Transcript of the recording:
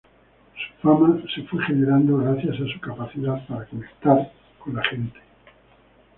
Su fama se fue generando gracias a su capacidad para conectar con la gente.